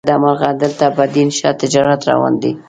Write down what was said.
له بده مرغه دلته په دین ښه تجارت روان دی.